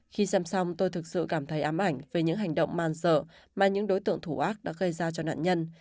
khi xem xong tôi thực sự cảm thấy ám ảnh về những hành động man sợ mà những đối tượng thủ ác đã gây ra cho nạn nhân